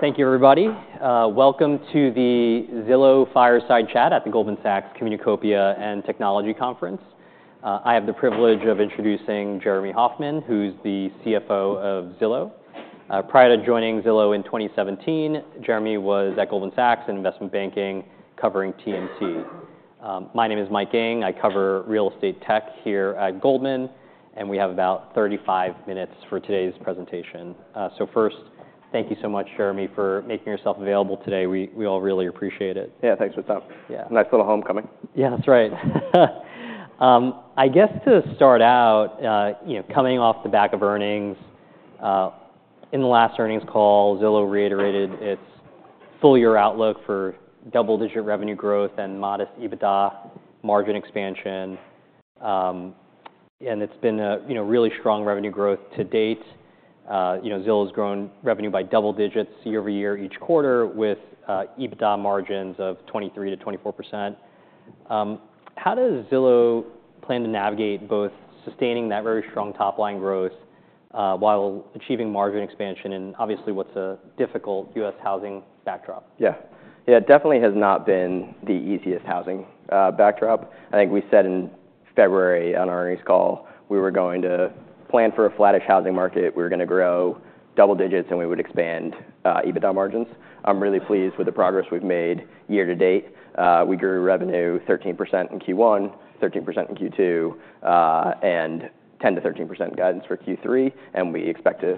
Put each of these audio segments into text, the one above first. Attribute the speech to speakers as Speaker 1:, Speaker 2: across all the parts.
Speaker 1: Thank you, everybody. Welcome to the Zillow Fireside Chat at the Goldman Sachs Communacopia and Technology Conference. I have the privilege of introducing Jeremy Hofmann, who's the CFO of Zillow. Prior to joining Zillow in 2017, Jeremy was at Goldman Sachs in investment banking, covering TMT. My name is Mike Ng. I cover real estate tech here at Goldman, and we have about 35 minutes for today's presentation, so first, thank you so much, Jeremy, for making yourself available today. We, we all really appreciate it.
Speaker 2: Yeah, thanks for the time.
Speaker 1: Yeah.
Speaker 2: Nice little homecoming.
Speaker 1: Yeah, that's right. I guess to start out, you know, coming off the back of earnings, in the last earnings call, Zillow reiterated its full year outlook for double-digit revenue growth and modest EBITDA margin expansion. It's been a, you know, really strong revenue growth to date. You know, Zillow's grown revenue by double digits year-over-year, each quarter, with EBITDA margins of 23%-24%. How does Zillow plan to navigate both sustaining that very strong top-line growth, while achieving margin expansion, and obviously, what's a difficult US housing backdrop?
Speaker 2: Yeah. Yeah, it definitely has not been the easiest housing backdrop. I think we said in February on our earnings call, we were going to plan for a flattish housing market. We were gonna grow double digits, and we would expand EBITDA margins. I'm really pleased with the progress we've made year to date. We grew revenue 13% in Q1, 13% in Q2, and 10%-13% guidance for Q3, and we expect to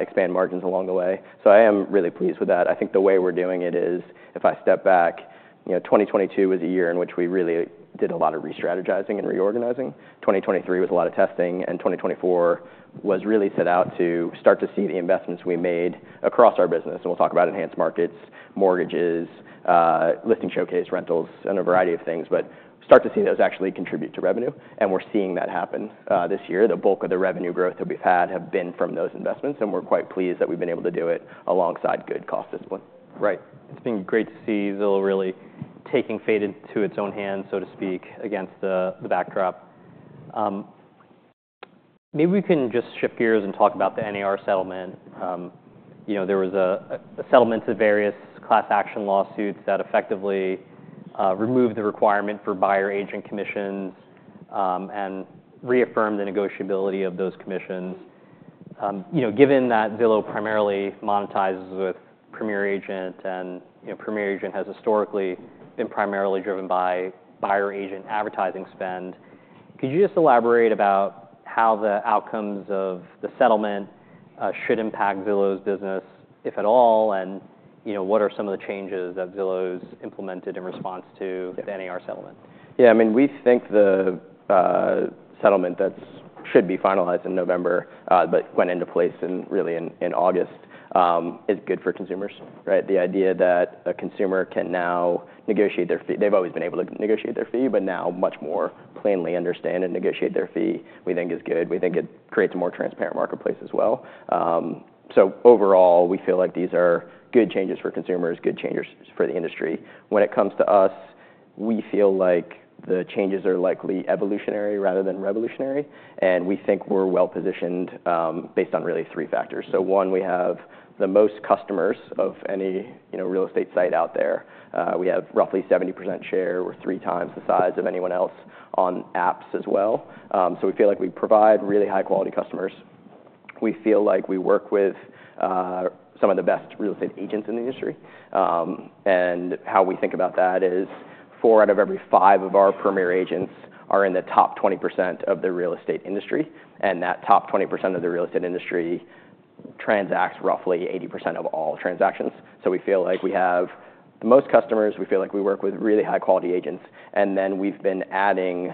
Speaker 2: expand margins along the way. So I am really pleased with that. I think the way we're doing it is, if I step back, you know, 2022 was a year in which we really did a lot of re-strategizing and reorganizing. 2023 was a lot of testing, and 2024 was really set out to start to see the investments we made across our business. And we'll talk about enhanced markets, mortgages, Listing Showcase rentals, and a variety of things, but start to see those actually contribute to revenue, and we're seeing that happen. This year, the bulk of the revenue growth that we've had have been from those investments, and we're quite pleased that we've been able to do it alongside good cost discipline.
Speaker 1: Right. It's been great to see Zillow really taking fate into its own hands, so to speak, against the backdrop. Maybe we can just shift gears and talk about the NAR settlement. You know, there was a settlement to various class action lawsuits that effectively removed the requirement for buyer agent commissions, and reaffirmed the negotiability of those commissions. You know, given that Zillow primarily monetizes with Premier Agent and, you know, Premier Agent has historically been primarily driven by buyer agent advertising spend, could you just elaborate about how the outcomes of the settlement should impact Zillow's business, if at all? And, you know, what are some of the changes that Zillow's implemented in response to the NAR settlement?
Speaker 2: Yeah, I mean, we think the settlement that's should be finalized in November, but went into place in really in August, is good for consumers, right? The idea that a consumer can now negotiate their fee. They've always been able to negotiate their fee, but now much more plainly understand and negotiate their fee, we think is good. We think it creates a more transparent marketplace as well. So overall, we feel like these are good changes for consumers, good changes for the industry. When it comes to us, we feel like the changes are likely evolutionary rather than revolutionary, and we think we're well-positioned, based on really three factors. So one, we have the most customers of any, you know, real estate site out there. We have roughly 70% share. We're three times the size of anyone else on apps as well, so we feel like we provide really high-quality customers. We feel like we work with some of the best real estate agents in the industry, and how we think about that is four out of every five of our Premier agents are in the top 20% of the real estate industry, and that top 20% of the real estate industry transacts roughly 80% of all transactions, so we feel like we have the most customers, we feel like we work with really high-quality agents, and then we've been adding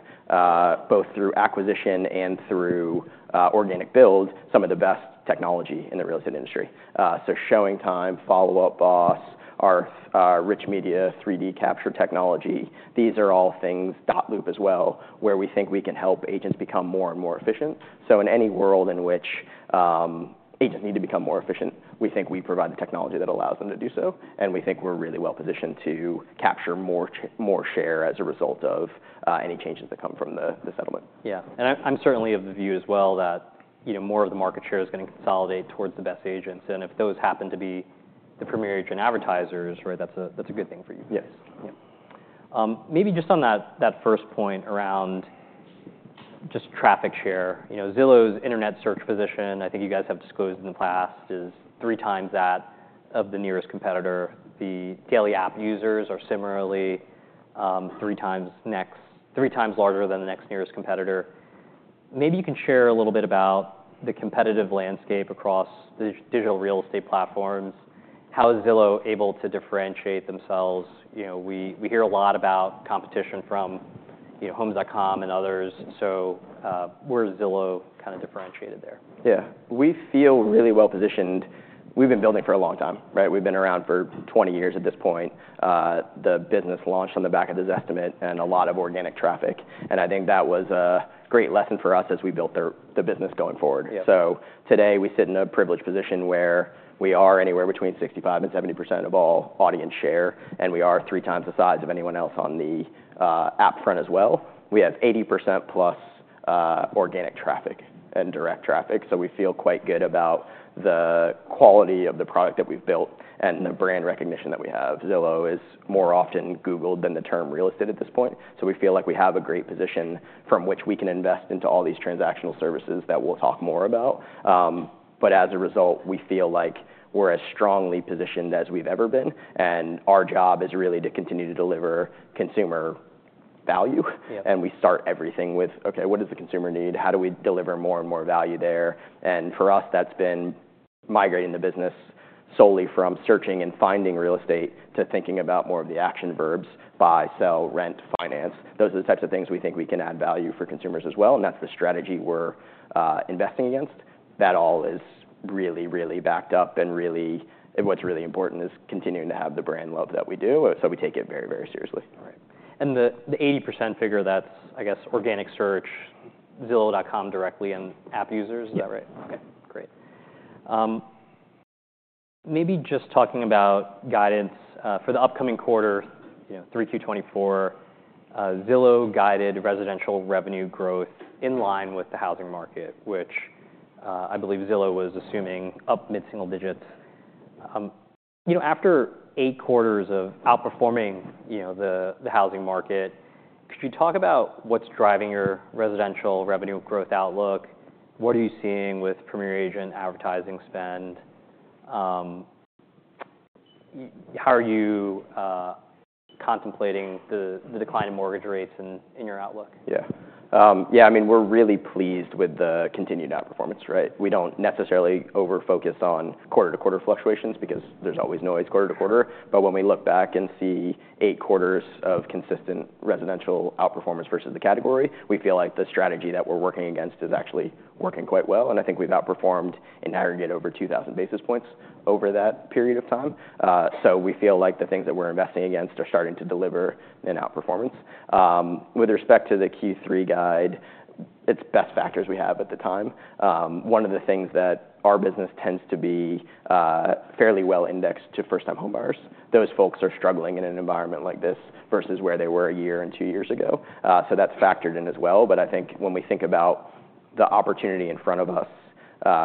Speaker 2: both through acquisition and through organic build, some of the best technology in the real estate industry. ShowingTime, Follow Up Boss, our rich media, 3D capture technology, these are all things, Dotloop as well, where we think we can help agents become more and more efficient. So in any world in which agents need to become more efficient, we think we provide the technology that allows them to do so, and we think we're really well-positioned to capture more share as a result of any changes that come from the settlement.
Speaker 1: Yeah, and I'm certainly of the view as well that, you know, more of the market share is gonna consolidate towards the best agents, and if those happen to be the Premier Agent advertisers, right? That's a, that's a good thing for you.
Speaker 2: Yes.
Speaker 1: Yeah. Maybe just on that, that first point around just traffic share, you know, Zillow's internet search position, I think you guys have disclosed in the past, is three times that of the nearest competitor. The daily app users are similarly, 3x larger than the next nearest competitor. Maybe you can share a little bit about the competitive landscape across the digital real estate platforms. How is Zillow able to differentiate themselves? You know, we hear a lot about competition from, you know, Homes.com and others. So, where is Zillow kind of differentiated there?
Speaker 2: Yeah. We feel really well positioned. We've been building for a long time, right? We've been around for twenty years at this point. The business launched on the back of this estimate and a lot of organic traffic, and I think that was a great lesson for us as we built the business going forward.
Speaker 1: Yeah.
Speaker 2: So today, we sit in a privileged position where we are anywhere between 65% and 70% of all audience share, and we are three times the size of anyone else on the app front as well. We have 80%+ organic traffic and direct traffic. So we feel quite good about the quality of the product that we've built and the brand recognition that we have. Zillow is more often Googled than the term real estate at this point, so we feel like we have a great position from which we can invest into all these transactional services that we'll talk more about. But as a result, we feel like we're as strongly positioned as we've ever been, and our job is really to continue to deliver consumer value.
Speaker 1: Yeah.
Speaker 2: We start everything with, "Okay, what does the consumer need? How do we deliver more and more value there?" And for us, that's been migrating the business solely from searching and finding real estate to thinking about more of the action verbs: buy, sell, rent, finance. Those are the types of things we think we can add value for consumers as well, and that's the strategy we're investing against. That all is really backed up. And what's really important is continuing to have the brand love that we do, so we take it very, very seriously.
Speaker 1: All right. And the 80% figure, that's I guess, organic search, zillow.com directly, and app users?
Speaker 2: Yeah.
Speaker 1: Is that right? Okay, great. Maybe just talking about guidance for the upcoming quarter, you know, 3Q 2024, Zillow guided residential revenue growth in line with the housing market, which I believe Zillow was assuming up mid-single digits. You know, after eight quarters of outperforming the housing market, could you talk about what's driving your residential revenue growth outlook? What are you seeing with Premier Agent advertising spend? How are you contemplating the decline in mortgage rates in your outlook?
Speaker 2: Yeah. Yeah, I mean, we're really pleased with the continued outperformance, right? We don't necessarily over-focus on quarter-to-quarter fluctuations, because there's always noise quarter-to-quarter. But when we look back and see eight quarters of consistent residential outperformance versus the category, we feel like the strategy that we're working against is actually working quite well, and I think we've outperformed in aggregate over two thousand basis points over that period of time. So we feel like the things that we're investing against are starting to deliver an outperformance. With respect to the Q3 guide, it's best factors we have at the time. One of the things that our business tends to be fairly well indexed to first-time homebuyers. Those folks are struggling in an environment like this versus where they were a year and two years ago. So that's factored in as well. But I think when we think about the opportunity in front of us,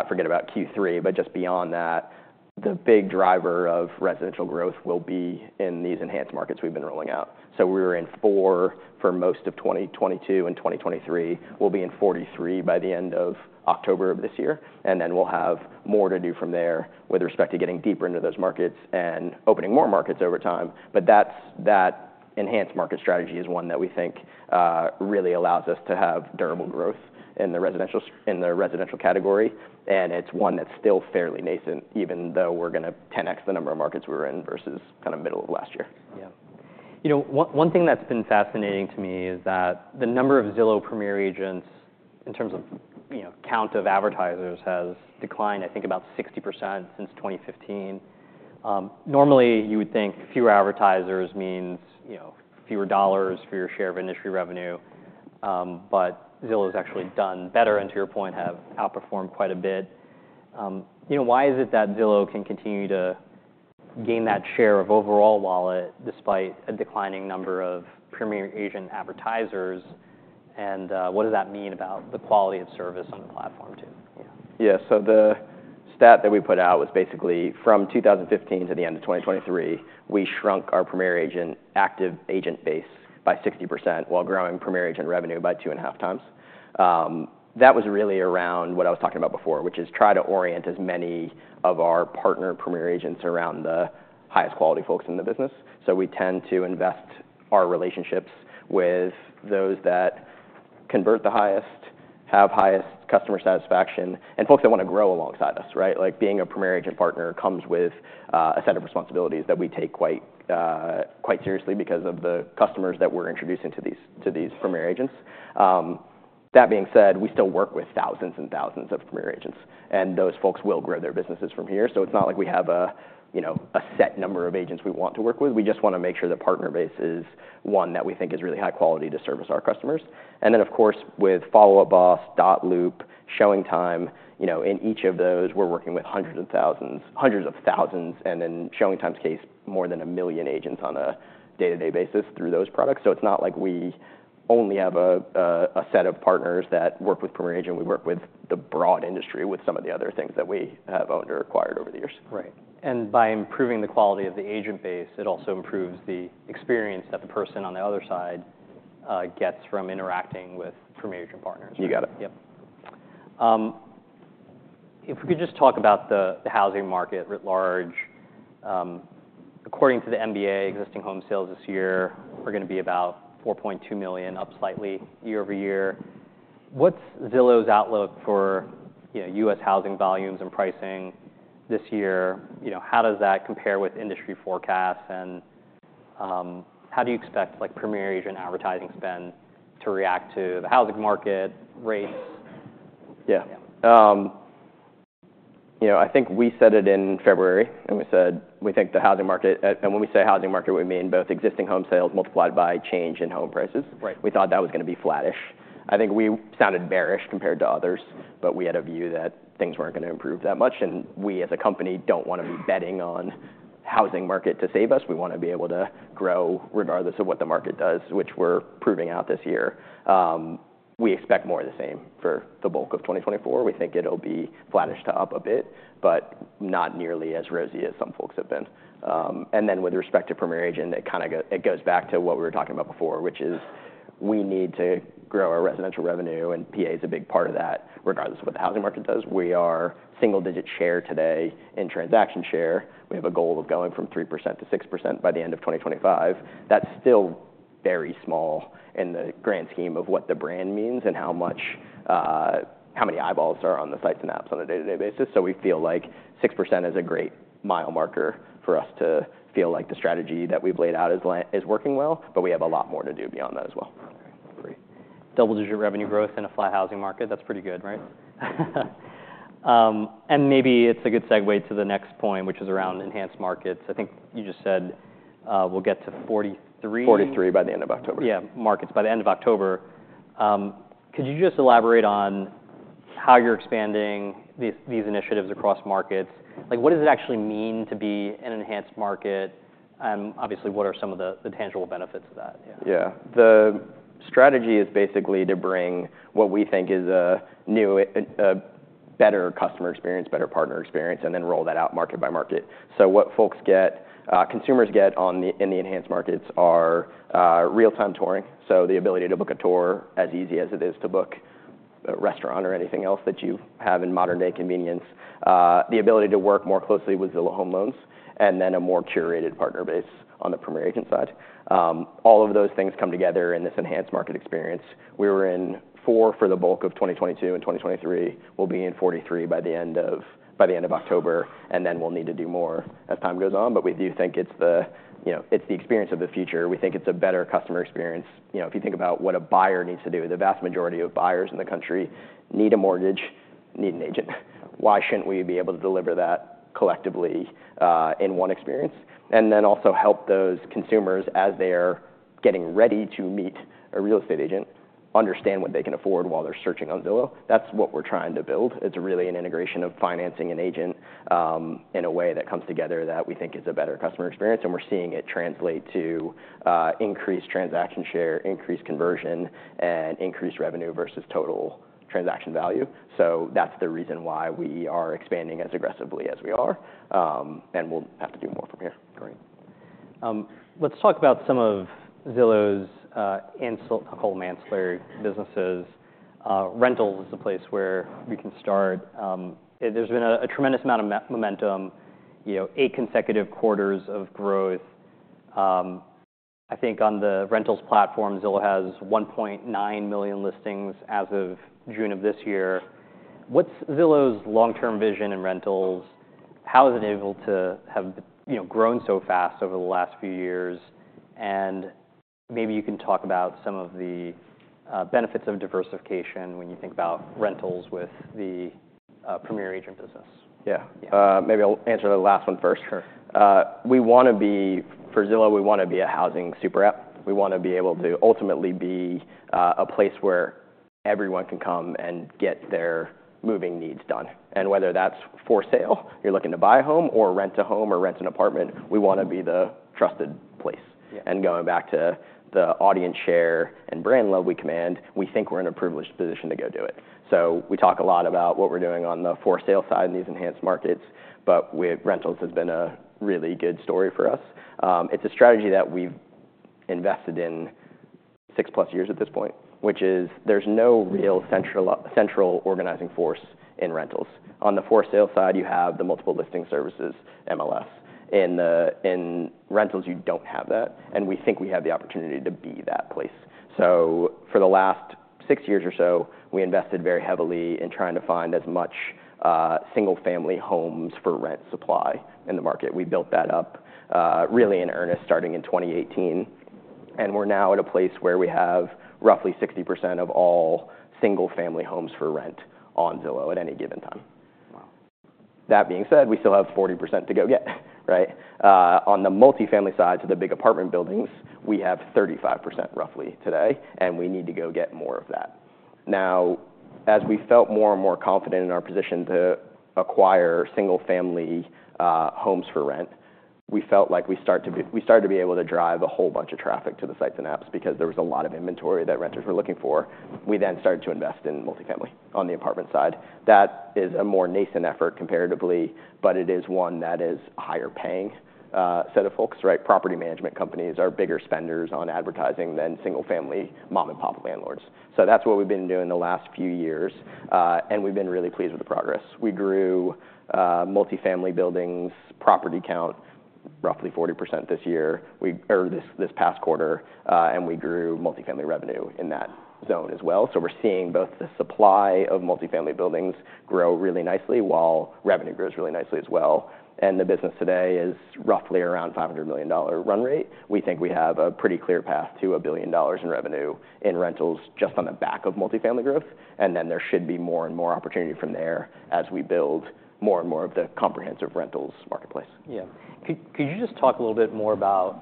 Speaker 2: forget about Q3, but just beyond that, the big driver of residential growth will be in these enhanced markets we've been rolling out. So we were in four for most of 2022 and 2023. We'll be in 43 by the end of October of this year, and then we'll have more to do from there with respect to getting deeper into those markets and opening more markets over time. But that's that enhanced market strategy is one that we think really allows us to have durable growth in the residential in the residential category, and it's one that's still fairly nascent, even though we're gonna 10x the number of markets we're in versus kind of middle of last year.
Speaker 1: Yeah. You know, one thing that's been fascinating to me is that the number of Zillow Premier Agents, in terms of, you know, count of advertisers, has declined, I think, about 60% since 2015. Normally, you would think fewer advertisers means, you know, fewer dollars for your share of industry revenue. But Zillow's actually done better, and to your point, have outperformed quite a bit. You know, why is it that Zillow can continue to gain that share of overall wallet despite a declining number of Premier Agent advertisers? And what does that mean about the quality of service on the platform, too? Yeah.
Speaker 2: Yeah, so the stat that we put out was basically from 2015 to the end of 2023, we shrunk our Premier Agent active agent base by 60% while growing Premier Agent revenue by 2.5x. That was really around what I was talking about before, which is try to orient as many of our partner Premier Agents around the highest quality folks in the business. So we tend to invest our relationships with those that convert the highest, have highest customer satisfaction, and folks that wanna grow alongside us, right? Like, being a Premier Agent partner comes with a set of responsibilities that we take quite seriously because of the customers that we're introducing to these Premier Agents. That being said, we still work with thousands and thousands of Premier Agents, and those folks will grow their businesses from here. So it's not like we have a, you know, a set number of agents we want to work with. We just wanna make sure the partner base is one that we think is really high quality to service our customers. And then, of course, with Follow Up Boss, Dotloop, ShowingTime, you know, in each of those, we're working with hundreds of thousands, hundreds of thousands, and in ShowingTime's case, more than 1 million agents on a day-to-day basis through those products. So it's not like we only have a set of partners that work with Premier Agent. We work with the broad industry, with some of the other things that we have owned or acquired over the years.
Speaker 1: Right. And by improving the quality of the agent base, it also improves the experience that the person on the other side gets from interacting with Premier Agent partners.
Speaker 2: You got it.
Speaker 1: Yep. If we could just talk about the housing market writ large. According to the MBA, existing home sales this year are gonna be about 4.2 million, up slightly year-over-year. What's Zillow's outlook for, you know, U.S. housing volumes and pricing this year? You know, how does that compare with industry forecasts, and how do you expect, like, Premier Agent advertising spend to react to the housing market rates?
Speaker 2: Yeah.
Speaker 1: Yeah.
Speaker 2: You know, I think we said it in February, and we said we think the housing market and when we say housing market, we mean both existing home sales multiplied by change in home prices.
Speaker 1: Right.
Speaker 2: We thought that was gonna be flattish. I think we sounded bearish compared to others, but we had a view that things weren't gonna improve that much, and we, as a company, don't wanna be betting on housing market to save us. We want to be able to grow regardless of what the market does, which we're proving out this year. We expect more of the same for the bulk of 2024. We think it'll be flattish to up a bit, but not nearly as rosy as some folks have been, and then with respect to Premier Agent, it goes back to what we were talking about before, which is we need to grow our residential revenue, and PA is a big part of that, regardless of what the housing market does. We are single-digit share today in transaction share. We have a goal of going from 3%-6% by the end of 2025. That's still very small in the grand scheme of what the brand means and how much, how many eyeballs are on the sites and apps on a day-to-day basis. So we feel like 6% is a great mile marker for us to feel like the strategy that we've laid out is working well, but we have a lot more to do beyond that as well.
Speaker 1: Okay, great. Double-digit revenue growth in a flat housing market. That's pretty good, right? And maybe it's a good segue to the next point, which is around enhanced markets. I think you just said, we'll get to 43?
Speaker 2: 43 by the end of October.
Speaker 1: Yeah, enhanced markets by the end of October. Could you just elaborate on how you're expanding these initiatives across markets? Like, what does it actually mean to be an enhanced market? And obviously, what are some of the tangible benefits of that? Yeah.
Speaker 2: Yeah. The strategy is basically to bring what we think is a new, a better customer experience, better partner experience, and then roll that out market by market. So what folks get, consumers get in the enhanced markets are real-time touring, so the ability to book a tour as easy as it is to book a restaurant or anything else that you have in modern-day convenience. The ability to work more closely with Zillow Home Loans, and then a more curated partner base on the Premier Agent side. All of those things come together in this enhanced market experience. We were in four for the bulk of 2022, and 2023, we'll be in 43 by the end of October, and then we'll need to do more as time goes on. But we do think it's the, you know, it's the experience of the future. We think it's a better customer experience. You know, if you think about what a buyer needs to do, the vast majority of buyers in the country need a mortgage, need an agent. Why shouldn't we be able to deliver that collectively, in one experience? And then also help those consumers as they are getting ready to meet a real estate agent, understand what they can afford while they're searching on Zillow. That's what we're trying to build. It's really an integration of financing an agent, in a way that comes together that we think is a better customer experience, and we're seeing it translate to, increased transaction share, increased conversion, and increased revenue versus total transaction value. So that's the reason why we are expanding as aggressively as we are. And we'll have to do more from here.
Speaker 1: Great. Let's talk about some of Zillow's ancillary businesses. Rentals is a place where we can start. There's been a tremendous amount of momentum, you know, eight consecutive quarters of growth. I think on the rentals platform, Zillow has 1.9 million listings as of June of this year. What's Zillow's long-term vision in rentals? How is it able to have, you know, grown so fast over the last few years? And maybe you can talk about some of the benefits of diversification when you think about rentals with the Premier Agent business.
Speaker 2: Yeah.
Speaker 1: Yeah.
Speaker 2: Maybe I'll answer the last one first.
Speaker 1: Sure.
Speaker 2: We wanna be. For Zillow, we wanna be a housing super app. We wanna be able to ultimately be a place where everyone can come and get their moving needs done, and whether that's for sale, you're looking to buy a home or rent a home or rent an apartment, we wanna be the trusted place.
Speaker 1: Yeah.
Speaker 2: And going back to the audience share and brand love we command, we think we're in a privileged position to go do it. So we talk a lot about what we're doing on the for sale side in these enhanced markets, but rentals has been a really good story for us. It's a strategy that we've invested in six plus years at this point, which is there's no real central organizing force in rentals. On the for sale side, you have the multiple listing services, MLS. In rentals, you don't have that, and we think we have the opportunity to be that place. So for the last six years or so, we invested very heavily in trying to find as much single-family homes for rent supply in the market. We built that up, really in earnest, starting in 2018, and we're now at a place where we have roughly 60% of all single-family homes for rent on Zillow at any given time.
Speaker 1: Wow!
Speaker 2: That being said, we still have 40% to go get, right? On the multifamily side, to the big apartment buildings, we have 35% roughly today, and we need to go get more of that. Now, as we felt more and more confident in our position to acquire single-family homes for rent, we felt like we started to be able to drive a whole bunch of traffic to the sites and apps because there was a lot of inventory that renters were looking for. We then started to invest in multifamily on the apartment side. That is a more nascent effort comparatively, but it is one that is higher paying set of folks, right? Property management companies are bigger spenders on advertising than single-family mom-and-pop landlords. So that's what we've been doing the last few years, and we've been really pleased with the progress. We grew multifamily buildings, property count, roughly 40% this year or this past quarter, and we grew multifamily revenue in that zone as well. So we're seeing both the supply of multifamily buildings grow really nicely, while revenue grows really nicely as well. And the business today is roughly around $500 million run rate. We think we have a pretty clear path to $1 billion in revenue in rentals, just on the back of multifamily growth, and then there should be more and more opportunity from there as we build more and more of the comprehensive rentals marketplace.
Speaker 1: Yeah. Could you just talk a little bit more about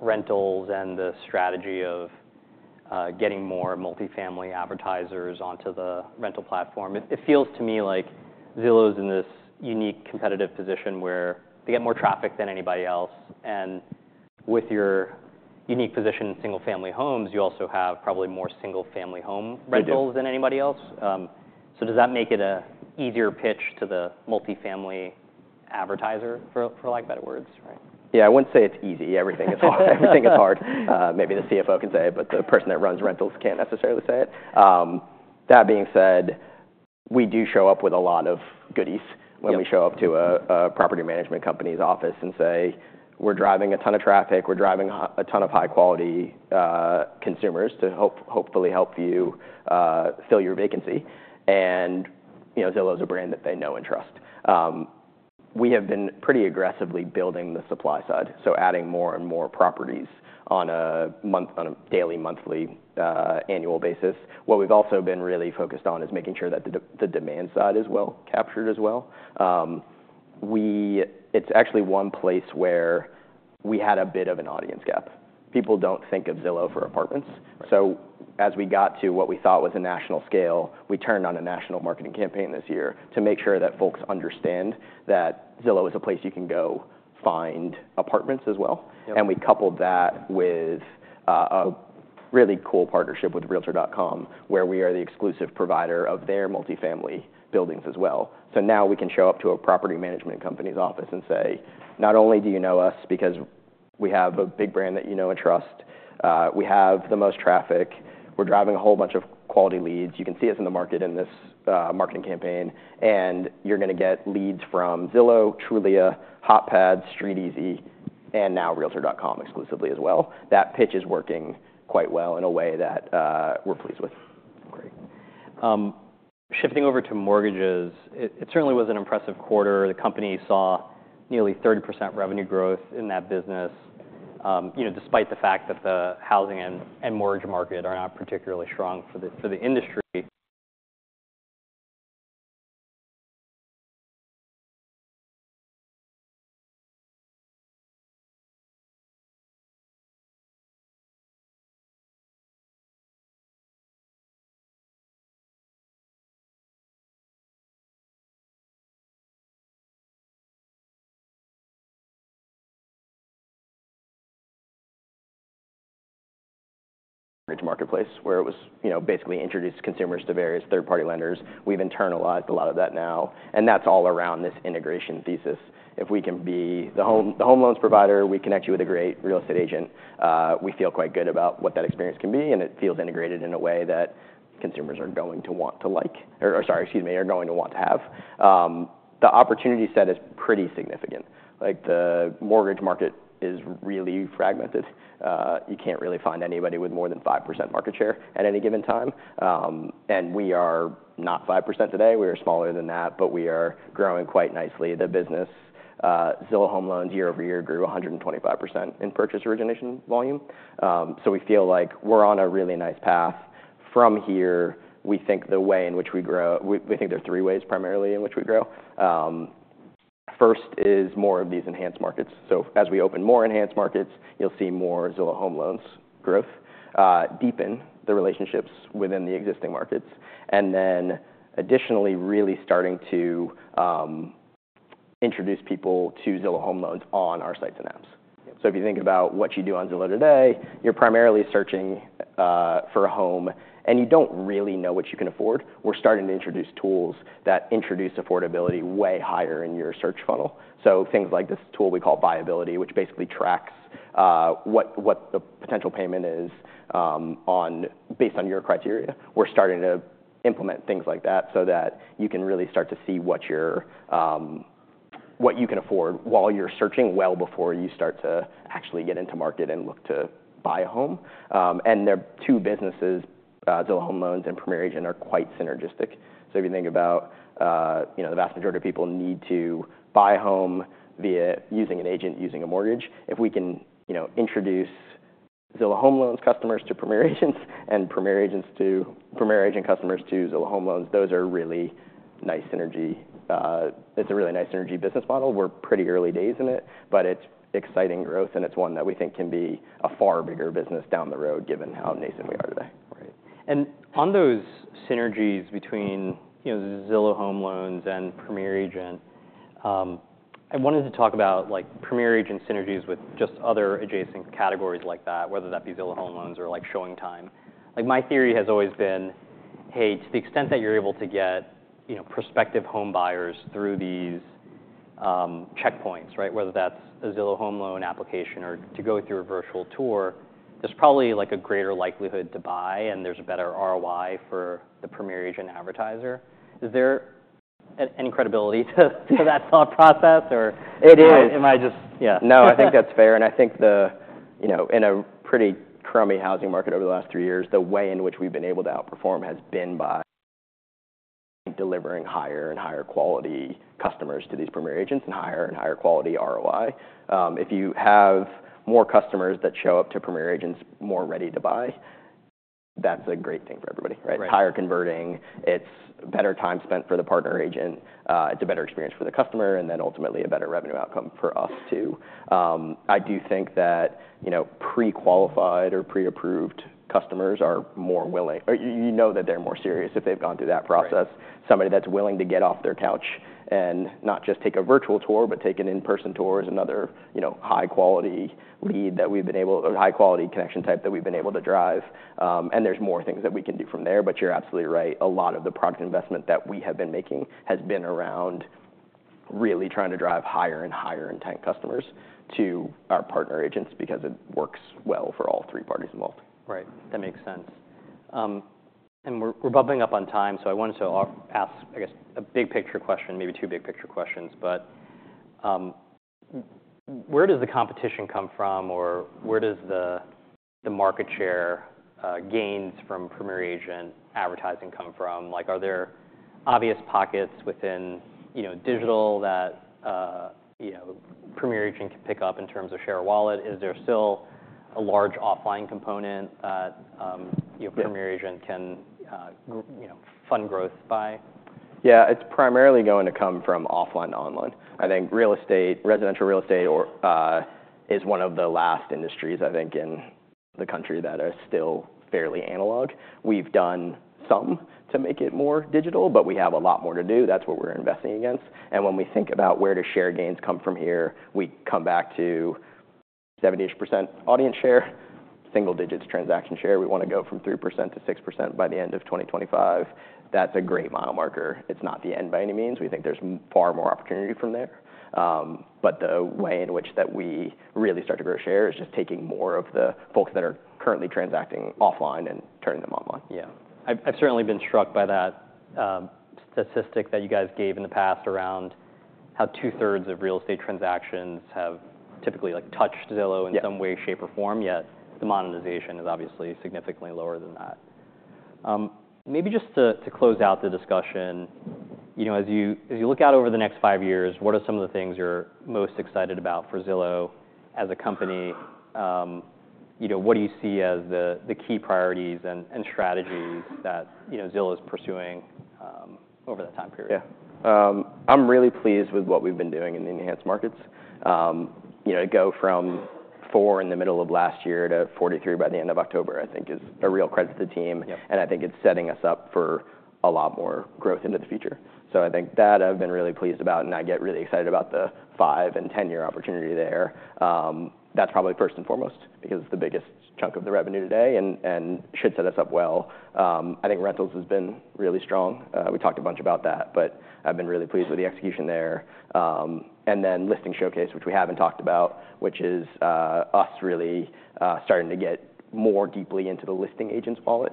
Speaker 1: rentals and the strategy of getting more multifamily advertisers onto the rental platform. It feels to me like Zillow's in this unique competitive position where they get more traffic than anybody else, and with your unique position in single-family homes, you also have probably more single-family home-
Speaker 2: We do.
Speaker 1: -rentals than anybody else. So does that make it an easier pitch to the multifamily advertiser, for lack of better words, right?
Speaker 2: Yeah, I wouldn't say it's easy. Everything is hard, everything is hard. Maybe the CFO can say it, but the person that runs rentals can't necessarily say it. That being said, we do show up with a lot of goodies-
Speaker 1: Yeah
Speaker 2: when we show up to a property management company's office and say, "We're driving a ton of traffic. We're driving a ton of high-quality consumers to hopefully help you fill your vacancy." And, you know, Zillow is a brand that they know and trust. We have been pretty aggressively building the supply side, so adding more and more properties on a daily, monthly, annual basis. What we've also been really focused on is making sure that the demand side is well captured as well. It's actually one place where we had a bit of an audience gap. People don't think of Zillow for apartments.
Speaker 1: Right.
Speaker 2: So as we got to what we thought was a national scale, we turned on a national marketing campaign this year to make sure that folks understand that Zillow is a place you can go find apartments as well.
Speaker 1: Yeah.
Speaker 2: We coupled that with a really cool partnership with Realtor.com, where we are the exclusive provider of their multifamily buildings as well. So now we can show up to a property management company's office and say, "Not only do you know us because we have a big brand that you know and trust, we have the most traffic. We're driving a whole bunch of quality leads. You can see us in the market in this marketing campaign, and you're gonna get leads from Zillow, Trulia, HotPads, StreetEasy, and now Realtor.com exclusively as well." That pitch is working quite well in a way that we're pleased with.
Speaker 1: Great. Shifting over to mortgages, it certainly was an impressive quarter. The company saw nearly 30% revenue growth in that business, you know, despite the fact that the housing and mortgage market are not particularly strong for the industry.
Speaker 2: Marketplace, where it was, you know, basically introduced consumers to various third-party lenders. We've internalized a lot of that now, and that's all around this integration thesis. If we can be the home, the home loans provider, we connect you with a great real estate agent, we feel quite good about what that experience can be, and it feels integrated in a way that consumers are going to want to have. The opportunity set is pretty significant. Like, the mortgage market is really fragmented. You can't really find anybody with more than 5% market share at any given time. And we are not 5% today, we are smaller than that, but we are growing quite nicely. The business, Zillow Home Loans, year-over-year, grew 125% in purchase origination volume. So we feel like we're on a really nice path. From here, we think the way in which we grow. We think there are three ways primarily in which we grow. First is more of these enhanced markets. So as we open more enhanced markets, you'll see more Zillow Home Loans growth, deepen the relationships within the existing markets. And then additionally, really starting to, introduce people to Zillow Home Loans on our sites and apps.
Speaker 1: Yeah.
Speaker 2: So if you think about what you do on Zillow today, you're primarily searching for a home, and you don't really know what you can afford. We're starting to introduce tools that introduce affordability way higher in your search funnel. So things like this tool we call BuyAbility, which basically tracks what the potential payment is based on your criteria. We're starting to implement things like that so that you can really start to see what you can afford while you're searching, well before you start to actually get into market and look to buy a home. And there are two businesses, Zillow Home Loans and Premier Agent, are quite synergistic. So if you think about, you know, the vast majority of people need to buy a home via using an agent, using a mortgage. If we can, you know, introduce Zillow Home Loans customers to Premier Agents and Premier Agent customers to Zillow Home Loans, those are really nice synergy. It's a really nice synergy business model. We're pretty early days in it, but it's exciting growth, and it's one that we think can be a far bigger business down the road, given how nascent we are today.
Speaker 1: Great. And on those synergies between, you know, Zillow Home Loans and Premier Agent, I wanted to talk about, like, Premier Agent synergies with just other adjacent categories like that, whether that be Zillow Home Loans or, like, ShowingTime. Like, my theory has always been, hey, to the extent that you're able to get, you know, prospective home buyers through these checkpoints, right? Whether that's a Zillow Home Loan application or to go through a virtual tour, there's probably, like, a greater likelihood to buy, and there's a better ROI for the Premier Agent advertiser. Is there any credibility to that thought process, or?
Speaker 2: It is.
Speaker 1: Am I just? Yeah.
Speaker 2: No, I think that's fair, and I think the, you know, in a pretty crummy housing market over the last three years, the way in which we've been able to outperform has been by delivering higher and higher quality customers to these Premier Agents and higher and higher quality ROI. If you have more customers that show up to Premier Agents more ready to buy. That's a great thing for everybody, right?
Speaker 1: Right.
Speaker 2: Higher converting, it's better time spent for the partner agent, it's a better experience for the customer, and then ultimately a better revenue outcome for us, too. I do think that, you know, pre-qualified or pre-approved customers are more willing, or, you know, that they're more serious if they've gone through that process.
Speaker 1: Right.
Speaker 2: Somebody that's willing to get off their couch and not just take a virtual tour, but take an in-person tour is another, you know, high-quality lead that we've been able to drive. Or high-quality connection type that we've been able to drive. And there's more things that we can do from there, but you're absolutely right. A lot of the product investment that we have been making has been around really trying to drive higher and higher intent customers to our partner agents, because it works well for all three parties involved.
Speaker 1: Right. That makes sense and we're bumping up on time, so I wanted to ask, I guess, a big picture question, maybe two big picture questions but where does the competition come from or where does the market share gains from Premier Agent advertising come from? Like, are there obvious pockets within, you know, digital that, you know, Premier Agent can pick up in terms of share of wallet? Is there still a large offline component that,
Speaker 2: Yeah
Speaker 1: your Premier Agent can, you know, fund growth by?
Speaker 2: Yeah, it's primarily going to come from offline to online. I think real estate, residential real estate, is one of the last industries, I think, in the country that are still fairly analog. We've done some to make it more digital, but we have a lot more to do. That's what we're investing against. And when we think about where do share gains come from here, we come back to 70-ish% audience share, single digits transaction share. We want to go from 3%-6% by the end of 2025. That's a great mile marker. It's not the end by any means. We think there's far more opportunity from there. But the way in which that we really start to grow share is just taking more of the folks that are currently transacting offline and turning them online.
Speaker 1: Yeah. I've certainly been struck by that statistic that you guys gave in the past around how 2/3 of real estate transactions have typically, like, touched Zillow-
Speaker 2: Yeah
Speaker 1: in some way, shape, or form, yet the monetization is obviously significantly lower than that. Maybe just to close out the discussion, you know, as you look out over the next five years, what are some of the things you're most excited about for Zillow as a company? You know, what do you see as the key priorities and strategies that, you know, Zillow is pursuing over that time period?
Speaker 2: Yeah. I'm really pleased with what we've been doing in the enhanced markets. You know, to go from four in the middle of last year to forty-three by the end of October, I think is a real credit to the team.
Speaker 1: Yep.
Speaker 2: I think it's setting us up for a lot more growth into the future. So I think that I've been really pleased about, and I get really excited about the five and 10-year opportunity there. That's probably first and foremost, because it's the biggest chunk of the revenue today, and should set us up well. I think rentals has been really strong. We talked a bunch about that, but I've been really pleased with the execution there. And then Listing Showcase, which we haven't talked about, which is us really starting to get more deeply into the listing agents' wallet,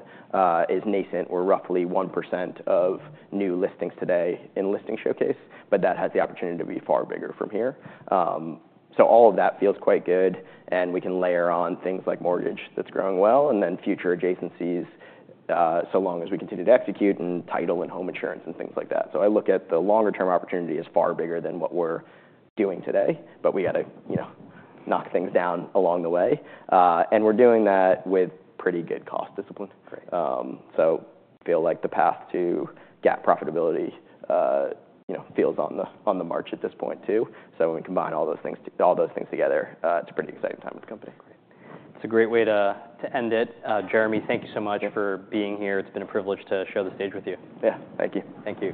Speaker 2: is nascent. We're roughly 1% of new listings today in Listing Showcase, but that has the opportunity to be far bigger from here. So all of that feels quite good, and we can layer on things like mortgage, that's growing well, and then future adjacencies, so long as we continue to execute, and title and home insurance, and things like that. So I look at the longer term opportunity as far bigger than what we're doing today, but we got to, you know, knock things down along the way. And we're doing that with pretty good cost discipline.
Speaker 1: Great.
Speaker 2: So feel like the path to GAAP profitability, you know, feels on the march at this point, too. So when we combine all those things together, it's a pretty exciting time with the company.
Speaker 1: It's a great way to end it. Jeremy, thank you so much for being here. It's been a privilege to share the stage with you.
Speaker 2: Yeah. Thank you.
Speaker 1: Thank you.